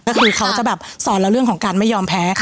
ก็คือเขาจะแบบสอนเราเรื่องของการไม่ยอมแพ้ค่ะ